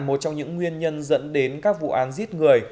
một trong những nguyên nhân dẫn đến các vụ án giết người